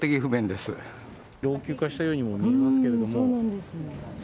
老朽化したようにも見えますそうなんです。